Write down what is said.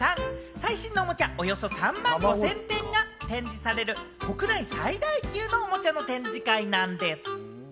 最新のおもちゃ、およそ３万５０００点が展示される国内最大級のおもちゃの展示会なんです。